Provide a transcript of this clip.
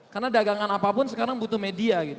karena dagangan apapun sekarang butuh media gitu